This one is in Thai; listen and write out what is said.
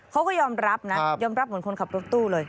เขาก็ยอมรับนะยอมรับเหมือนคนขับรถตู้เลย